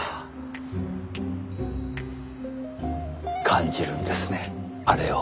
感じるんですねあれを。